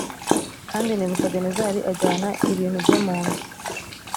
Kandi Nebukadinezari ajyana ibintu byo mu nzu